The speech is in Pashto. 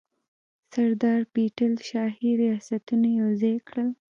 سردار پټیل شاهي ریاستونه یوځای کړل.